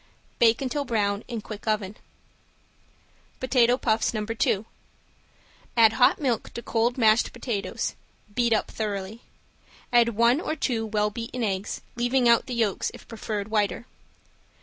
Bake until brown in quick oven. ~POTATO PUFFS~ ~No. 2~ Add hot milk to cold mashed potato beat up thoroughly. Add one or two well beaten eggs, leaving out the yolks if preferred whiter.